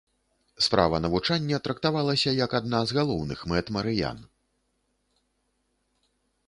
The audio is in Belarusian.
Справа навучання трактавалася як адна з галоўных мэт марыян.